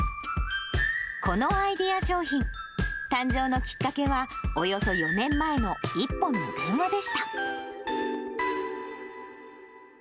このアイデア商品、誕生のきっかけは、およそ４年前の一本の電話でした。